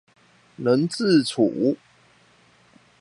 能自處